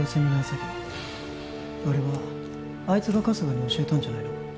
詐欺あれはあいつが春日に教えたんじゃないの？